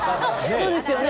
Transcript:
そうなんですよね。